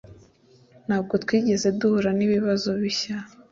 Ntabwo twigeze duhura nibibazo bishya.